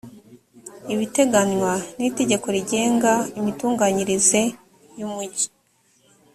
ibiteganywa n’itegeko rigenga imitunganyirize y’umujyi